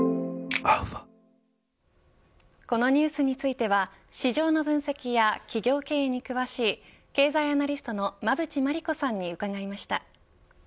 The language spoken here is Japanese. このニュースについては市場の分析や企業経営に詳しい経済アナリストの馬渕磨理子さんに伺いました。